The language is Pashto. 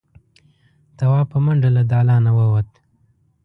تواب په منډه له دالانه ووت.